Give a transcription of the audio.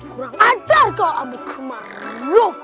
kurang ajar kau amikumar